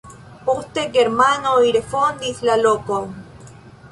Poste germanoj refondis la lokon.